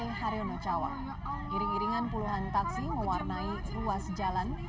iring iringan puluhan taksi mewarnai ruas jalan